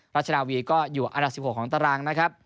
ราชนาวีก็อยู่อันดับ๑๖ของตารางนะครับ